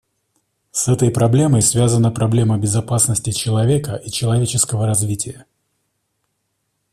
С этой проблемой связана проблема безопасности человека и человеческого развития.